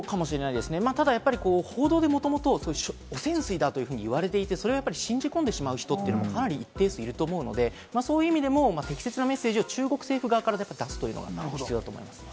ただ報道でもともと汚染水だというふうに言われていて、それを信じ込んでしまう人もかなり一定数いると思うので、そういう意味でも適切なメッセージを中国政府が出すというのが必要だと思います。